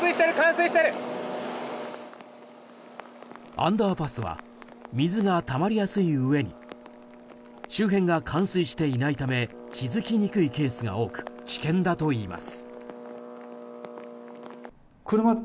アンダーパスは水がたまりやすいうえに周辺が冠水していないため気づきにくいケースが多く危険だといいます。